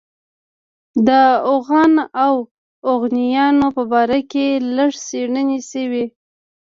د اوغان او اوغانیانو په باره کې لږ څېړنې شوې.